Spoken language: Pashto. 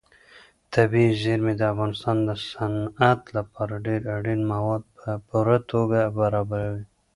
طبیعي زیرمې د افغانستان د صنعت لپاره ډېر اړین مواد په پوره توګه برابروي.